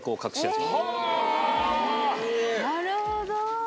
なるほど。